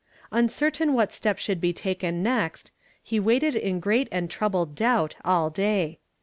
Uncertain what step should be taken next, he waited in great and troubled doubt all day.